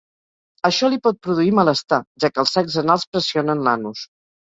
Això li pot produir malestar, ja que els sacs anals pressionen l'anus.